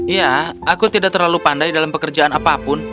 ya aku tidak terlalu pandai dalam pekerjaan apapun